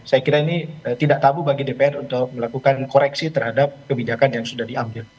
saya kira ini tidak tabu bagi dpr untuk melakukan koreksi terhadap kebijakan yang sudah diambil